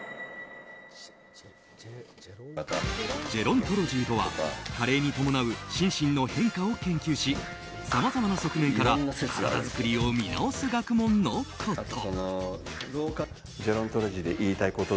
ジェロントロジーとは加齢に伴う心身の変化を研究しさまざまな側面から体作りを見直す学問のこと。